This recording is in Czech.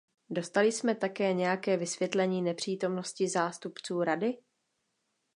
Dostali jsme také nějaké vysvětlení nepřítomnosti zástupců Rady?